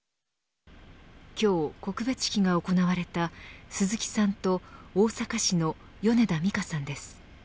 今日、告別式が行われた鈴木さんと大阪市の米田美佳さんです。